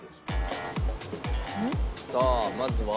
さあまずは。